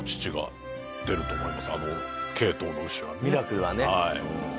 ミラクルはね。